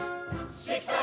「しきたり」